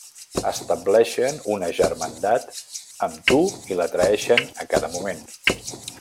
Estableixen una germandat amb tu i la traeixen a cada moment.